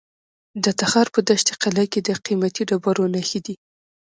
د تخار په دشت قلعه کې د قیمتي ډبرو نښې دي.